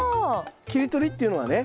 切り取りっていうのはね